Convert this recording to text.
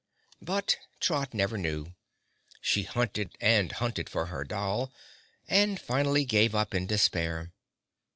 But Trot never knew. She hunted and hunted for her doll, and finally gave up in despair.